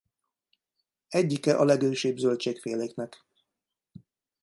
Egyike a legősibb zöldségféléknek.